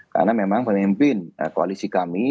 karena memang pemimpin koalisi kami